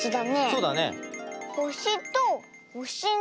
そうだね。